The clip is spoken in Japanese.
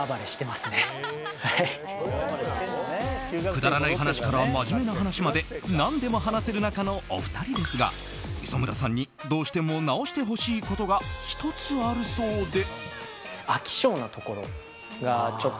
くだらない話から真面目な話まで何でも話せる仲のお二人ですが磯村さんにどうしても直してほしいことが１つあるそうで。